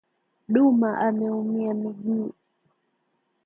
Duma ameumia miguu